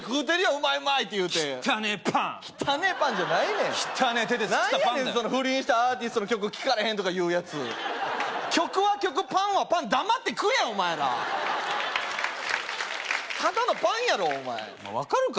うまいうまいって言うてきったねえパン汚えパンじゃないねん汚え手で作ったパンだよ何やねんその不倫したアーティストの曲聴かれへんとかいうやつ曲は曲パンはパン黙って食えやお前らただのパンやろお前分かるか？